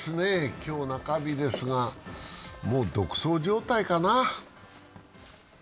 今日中日ですが、独走状態かな？